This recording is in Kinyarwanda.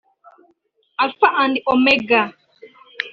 Alpha and Omega